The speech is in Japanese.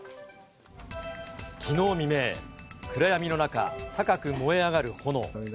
きのう未明、暗闇の中、高く燃え上がる炎。